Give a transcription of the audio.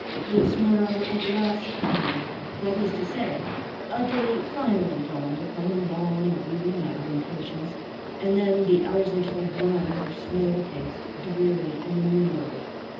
This morrow at last came, that is to say, a day finally dawned upon a long and weary night of impatience; and then the hours until "one" were snail paced, dreary, and innumerable.